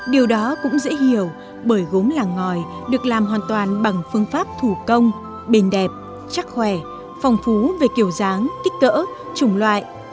điều đó cũng dễ hiểu bởi gốm làng ngòi được làm hoàn toàn bằng phương pháp thủ công bền đẹp chắc khỏe phong phú về kiểu dáng kích cỡ chủng loại